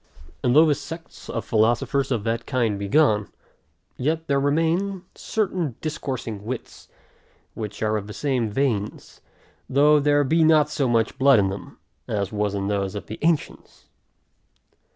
And though the sects of philosophers of that kind be gone, yet there remain certain discoursing wits, which are of the same veins, though there be not so much blood in them, as was in those of the ancients.